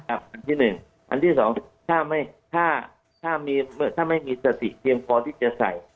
อันที่๑อันที่๒ถ้าไม่มีสติเพียงพอที่จะใส่